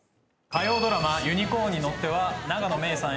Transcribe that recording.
火曜ドラマ「ユニコーンに乗って」は、永野芽郁さん